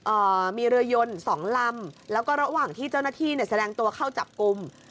เอ่อมีเรือยนสองลำแล้วก็ระหว่างที่เจ้าหน้าที่เนี่ยแสดงตัวเข้าจับกลุ่ม